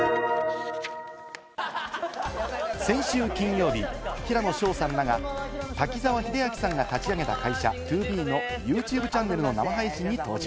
先週金曜日、平野紫耀さんらが滝沢秀明さんが立ち上げた会社・ＴＯＢＥのＹｏｕＴｕｂｅチャンネルの生配信に登場。